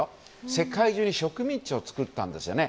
世界中に植民地を作ったんですよね。